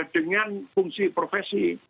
dengan fungsi profesi